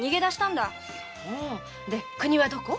そうで国はどこ？